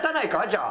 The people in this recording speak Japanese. じゃあ。